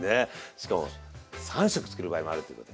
しかも３食作る場合もあるっていうことで。